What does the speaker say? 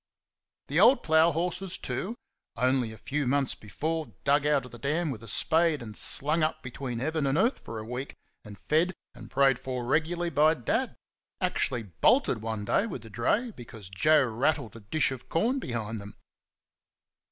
The old plough horses, too only a few months before dug out of the dam with a spade, and slung up between heaven and earth for a week, and fed and prayed for regularly by Dad actually bolted one day with the dray because Joe rattled a dish of corn behind them.